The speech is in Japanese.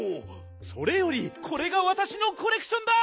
それよりこれがわたしのコレクションだ！